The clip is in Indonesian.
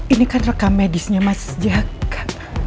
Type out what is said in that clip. ini kan rekam medisnya mas jaka